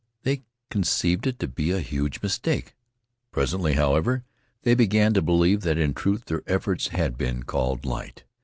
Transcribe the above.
They conceived it to be a huge mistake. Presently, however, they began to believe that in truth their efforts had been called light.